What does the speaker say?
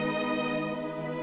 segera ibu suatu lagu sebaliknya